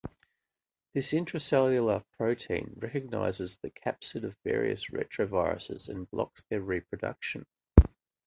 This intracellular protein recognizes the capsid of various retroviruses and blocks their reproduction.